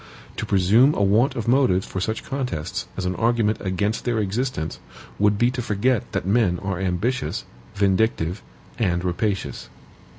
To presume a want of motives for such contests as an argument against their existence, would be to forget that men are ambitious, vindictive, and rapacious.